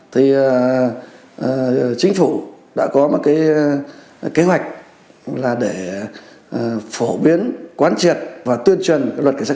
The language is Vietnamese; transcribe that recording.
thì chính phủ đã có một cái kế hoạch là để phổ biến quán triệt và tuyên truyền cái luật cảnh sát